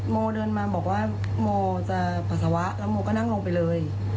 โมเดินมาบอกว่าโมจะปัสสาวะแล้วโมก็นั่งลงไปเลย